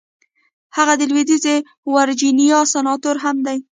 هغه د لويديځې ويرجينيا سناتور هم دی.